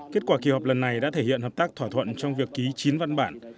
kết quả kỳ họp lần này đã thể hiện hợp tác thỏa thuận trong việc ký chín văn bản